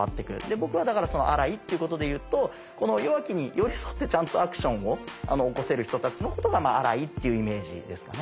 僕はだからアライっていうことで言うとこの弱きに寄り添ってちゃんとアクションを起こせる人たちのことがアライっていうイメージですかね。